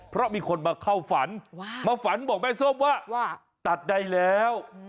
เพราะมีคนมาข้าวฝันมาฝันเราคั่วที่จะบอกว่าตัดได้แล้ว